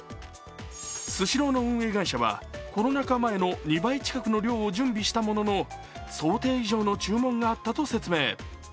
スシローの運営会社はコロナ禍前の２倍近くの量を準備したものの想定以上の注文があったと説明。